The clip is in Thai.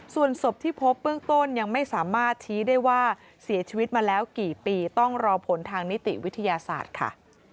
ส่วนศพที่พบเบื้องต้นยังไม่สามารถชี้ได้ว่าเสียชีวิตมาแล้วกี่ปีต้องรอผลทางนิติวิทยาศาสตร์ค่ะ